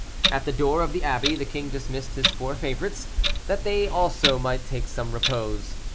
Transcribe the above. At the door of the abbey the king dismissed his four favorites, that they also might take some repose.